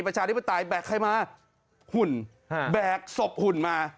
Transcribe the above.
ประชาลนี้ประต่าลแบกใครมาหุ่นอ่าแบกภพหุ่นมา